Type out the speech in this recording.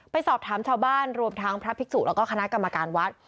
ไปสอบถามชาวบ้านรวมทั้งพระภิกษุแล้วก็คณะกรรมการวัด